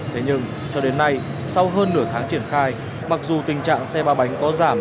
thế nhưng cho đến nay sau hơn nửa tháng triển khai mặc dù tình trạng xe ba bánh có giảm